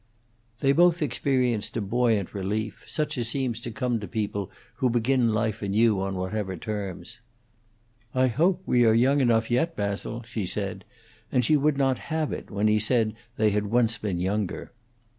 They both experienced a buoyant relief, such as seems to come to people who begin life anew on whatever terms. "I hope we are young enough yet, Basil," she said, and she would not have it when he said they had once been younger.